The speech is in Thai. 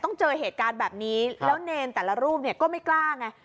ต้องเจอเหตุการณ์แบบนี้แล้วเนรแต่ละรูปเนี่ยก็ไม่กล้าไง